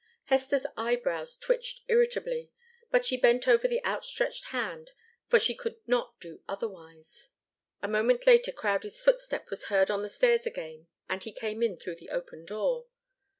Hester's eyebrows twitched irritably, but she bent over the outstretched hand, for she could not do otherwise. A moment later Crowdie's footstep was heard on the stairs again, and he came in through the open door.